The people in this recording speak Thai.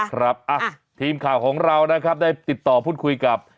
ครับทีมข่าวของเรานะครับได้ติดต่อพูดคุยกับ